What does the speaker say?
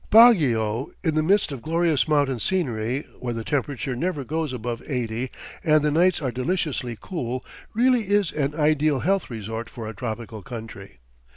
Baguio, in the midst of glorious mountain scenery, where the temperature never goes above eighty and the nights are deliciously cool, really is an ideal health resort for a tropical country.